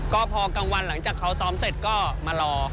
ก็พอกลางวันหลังจากเขาซ้อมเสร็จก็มารอ